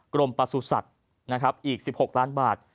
กรมประสุทธิ์สัตว์อีก๑๖ล้านบาท